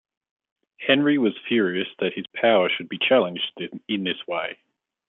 Henry was furious that his power should be challenged in this way.